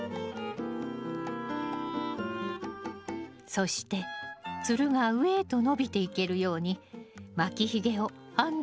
そしてつるが上へと伸びていけるように巻きひげをあんどん支柱に絡めてね。